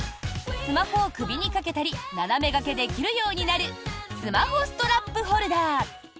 スマホを首にかけたり斜めがけできるようになるスマホストラップホルダー。